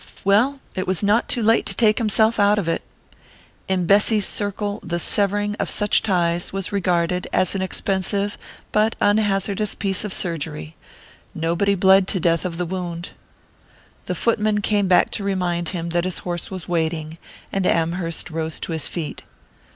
Well it was not too late to take himself out of it. In Bessy's circle the severing of such ties was regarded as an expensive but unhazardous piece of surgery nobody bled to death of the wound.... The footman came back to remind him that his horse was waiting, and Amherst rose to his feet.